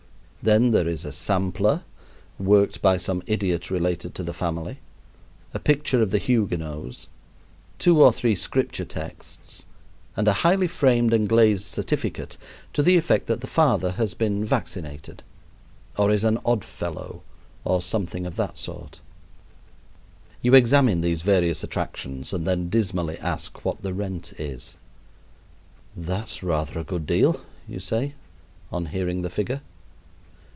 Then there is a "sampler" worked by some idiot related to the family, a picture of the "Huguenots," two or three Scripture texts, and a highly framed and glazed certificate to the effect that the father has been vaccinated, or is an Odd Fellow, or something of that sort. You examine these various attractions and then dismally ask what the rent is. "That's rather a good deal," you say on hearing the figure.